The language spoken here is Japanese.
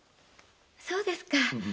そうですか。